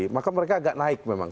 maka mereka agak naik memang